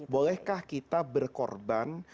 bolehkah kita berkorban